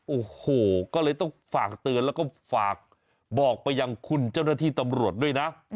โอ้โหก็เลยต้องฝากเตือนแล้วก็ฝากบอกไปยังคุณเจ้าหน้าที่ตำรวจด้วยนะ